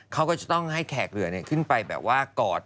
เขาก็จะต้องให้แขกเหลือขึ้นไปแบบว่ากอด